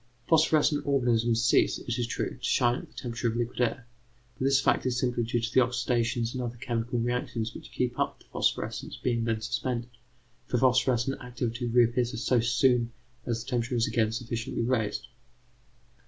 Phosphorescent organisms cease, it is true, to shine at the temperature of liquid air, but this fact is simply due to the oxidations and other chemical reactions which keep up the phosphorescence being then suspended, for phosphorescent activity reappears so soon as the temperature is again sufficiently raised.